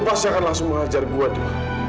lo pasti akan langsung menghajar gue adil